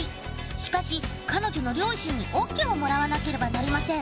しかし彼女の両親にＯＫをもらわなければなりません。